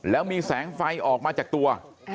แล้วมีแสงไฟออกมาจากตัว